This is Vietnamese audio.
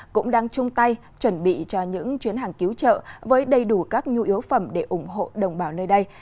cũng đang chung tay chuẩn bị cho những chuyến hàng cứu trợ với đầy đủ các nhu yếu phẩm để ủng hộ đồng bào nơi đây